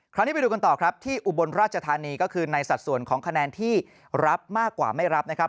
ไปดูกันต่อครับที่อุบลราชธานีก็คือในสัดส่วนของคะแนนที่รับมากกว่าไม่รับนะครับ